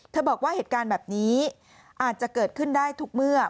บอกว่าเหตุการณ์แบบนี้อาจจะเกิดขึ้นได้ทุกเมื่อ